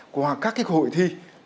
qua các hội thi